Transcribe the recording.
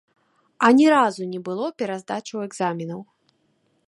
Ані разу не было пераздачаў экзаменаў.